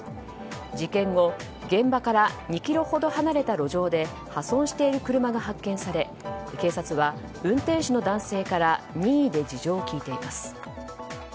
事件後、現場から２ｋｍほど離れた路上で破損している車が発見され警察は運転手の男性から任意で事情を聴いています。